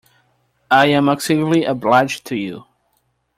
I am exceedingly obliged to you.